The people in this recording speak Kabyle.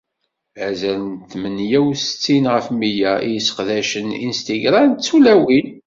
Azal n tmenya-usettin ɣef mya n yiseqdacen n Instagram d tulawin.